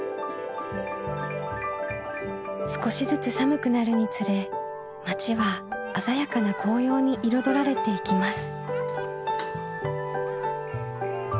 少しずつ寒くなるにつれ町は鮮やかな紅葉に彩られていきます。